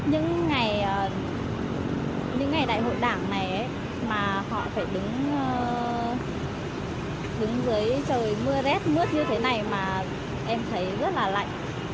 những ngày những ngày đại hội đảng này mà họ phải đứng dưới trời mưa rét mướt như thế này mà em thấy rất là lạnh